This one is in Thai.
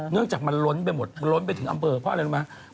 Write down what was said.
เรื่องจากมันล้นไปหมดมันล้นไปถึงอำเภอเพราะอะไรรู้ไหม